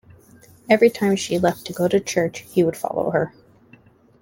Every time she left to go to church, he would follow her.